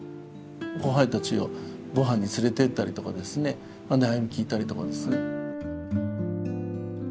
後輩たちをご飯に連れて行ったりとかですね悩みを聞いたりとかですね。